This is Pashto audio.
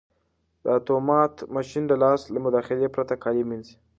دا اتومات ماشین د لاس له مداخلې پرته کالي مینځي.